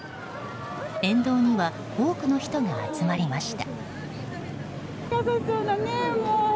沿道には多くの人が集まりました。